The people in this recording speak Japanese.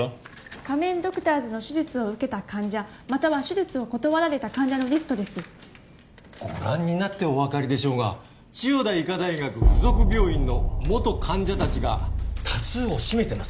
仮面ドクターズの手術を受けた患者または手術を断られた患者のリストですご覧になってお分かりでしょうが千代田医科大学附属病院の元患者達が多数を占めてます